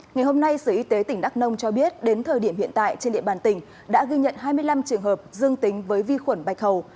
ngày hôm nay sở y tế tỉnh đắk nông cho biết đến thời điểm hiện tại trên địa bàn tỉnh đã ghi nhận hai mươi năm trường hợp dương tính với vi khuẩn bạch hầu